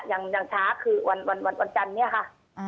อย่างช้าวันฑันจันทร์นี้ค่ะ